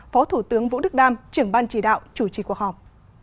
phó thủ tướng vũ đức đam trưởng ban chỉ đạo chủ trì cuộc họp